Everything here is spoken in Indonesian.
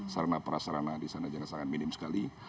sarana prasarana di sana juga sangat minim sekali